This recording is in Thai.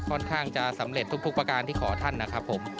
ค่อนข้างจะสำเร็จทุกประการที่ขอท่านนะครับผม